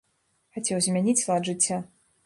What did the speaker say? Хацеў змяніць лад жыцця.